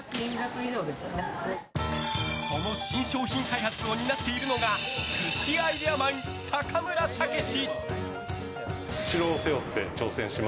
その新商品開発を担っているのが寿司アイデアマン、高村岳志！